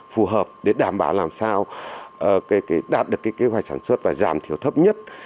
phù hợp để đảm bảo làm sao đạt được kế hoạch sản xuất và giảm thiểu thấp nhất